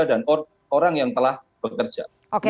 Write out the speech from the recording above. dan orang yang telah bekerja